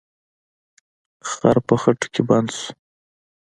خر په خټو کې بند شو.